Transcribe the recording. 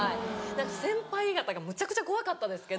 先輩方がむちゃくちゃ怖かったんですけど。